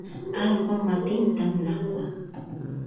Allquu matintam llaqwan.